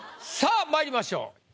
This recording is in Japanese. さあまいりましょう。